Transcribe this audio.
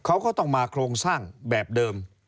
เขาก็ต้องมาโครงสร้างแบบเดิม